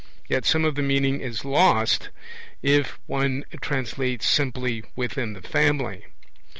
Yet some of the meaning is lost if one translates simply 'within the family'.